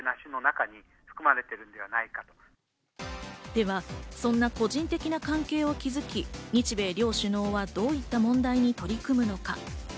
では、そんな個人的な関係を築き、日米両首脳はどういった問題に取り組むのか。